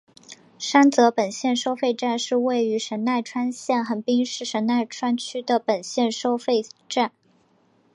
三泽本线收费站是位于神奈川县横滨市神奈川区的本线收费站。